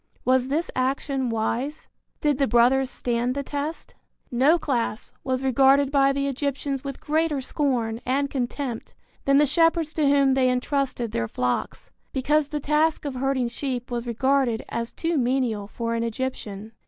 Was this action wise? Did the brothers stand the test? No class was regarded by the Egyptians with greater scorn and contempt than the shepherds to whom they entrusted their flocks, because the task of herding sheep was regarded as too menial for an Egyptian.